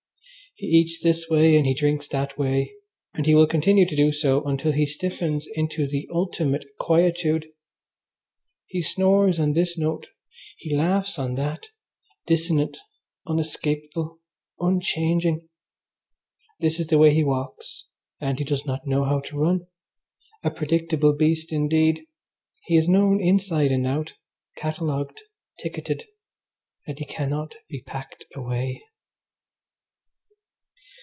He eats this way and he drinks that way, and he will continue to do so until he stiffens into the ultimate quietude. He snores on this note, he laughs on that, dissonant, unescapeable, unchanging. This is the way he walks, and he does not know how to run. A predictable beast indeed! He is known inside and out, catalogued, ticketed, and he cannot be packed away.